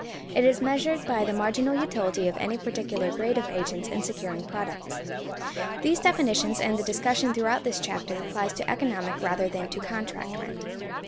It is measured by the marginal utility of any particular grade of agents in securing products. These definitions and the discussion throughout this chapter applies to economic rather than to contract rent.